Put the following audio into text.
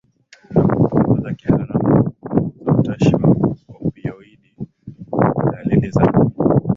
na kupunguza kiharamu kwa kupunguza utashi wa opioidi na dalili za